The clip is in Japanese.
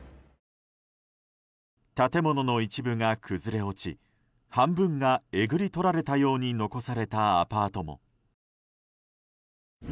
建物の一部が崩れ落ち半分がえぐり取られたように残されたアパートも。